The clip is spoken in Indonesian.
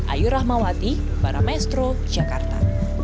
ayur rahmawati baramestro jakarta